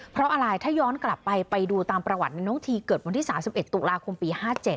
เพราะอะไรถ้าย้อนกลับไปไปดูตามประวัติน้องทีเกิดวันที่๓๑ตุลาคมปี๕๗